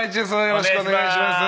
よろしくお願いします。